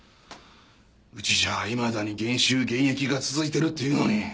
うちじゃいまだに減収減益が続いてるっていうのに。